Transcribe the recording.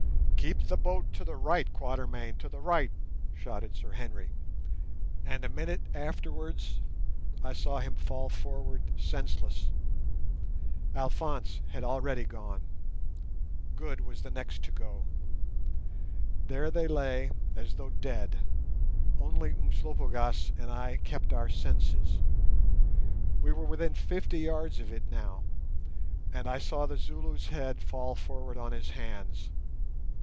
"Keep the boat to the right, Quatermain—to the right," shouted Sir Henry, and a minute afterwards I saw him fall forward senseless. Alphonse had already gone. Good was the next to go. There they lay as though dead; only Umslopogaas and I kept our senses. We were within fifty yards of it now, and I saw the Zulu's head fall forward on his hands.